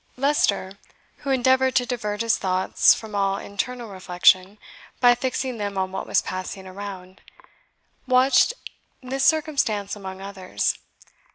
Leicester, who endeavoured to divert his thoughts from all internal reflection, by fixing them on what was passing around, watched this circumstance among others.